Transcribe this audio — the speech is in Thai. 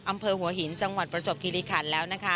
อำเภอหัวหินจังหวัดประจบคิริขันแล้วนะคะ